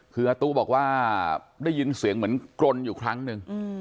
คืออาตู้บอกว่าได้ยินเสียงเหมือนกรนอยู่ครั้งหนึ่ง